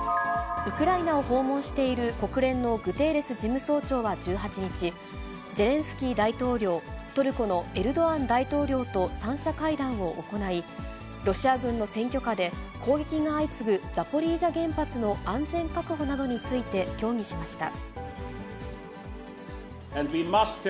ウクライナを訪問している国連のグテーレス事務総長は１８日、ゼレンスキー大統領、トルコのエルドアン大統領と３者会談を行い、ロシア軍の占拠下で攻撃が相次ぐザポリージャ原発の安全確保などについて、協議しました。